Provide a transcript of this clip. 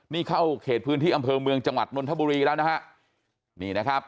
นี่เข้าเขตพื้นที่อำเภอเมืองจังหวัดนนทบุรีแล้วนะฮะนี่นะครับ